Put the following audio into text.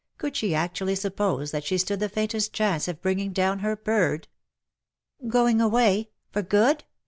" Could she actu ally suppose that she stood the faintest chance of bringing down her bird ?"" Going away ? For good